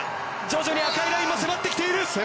徐々に赤いラインも迫ってきている。